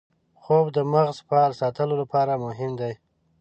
خوب د مغز فعال ساتلو لپاره مهم دی